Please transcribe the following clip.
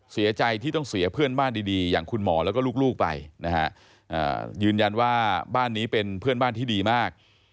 เสียใจที่ต้องเสียเพื่อนบ้านดีอย่างคุณหมอแล้วก็ลูกไปนะฮะยืนยันว่าบ้านนี้เป็นเพื่อนบ้านที่ดีมาก